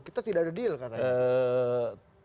kita tidak ada deal katanya